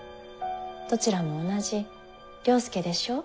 どちらも同じ了助でしょう？